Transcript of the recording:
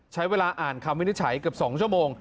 ใช้เวลาอ่านคำวินิจฉัยเกือบ๒ชั่วโมง